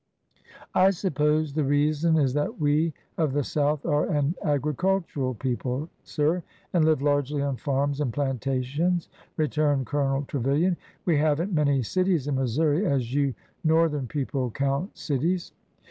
" I suppose the reason is that we of the South are an agricultural people, sir, and live largely on farms and plantations," returned Colonel Trevilian. "We haven't many cities in Missouri, as you Northern people count cities."